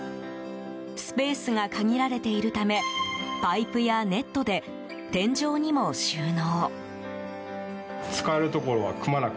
スペースが限られているためパイプやネットで天井にも収納。